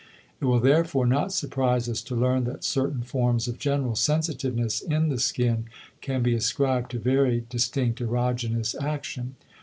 It will therefore not surprise us to learn that certain forms of general sensitiveness in the skin can be ascribed to very distinct erogenous action.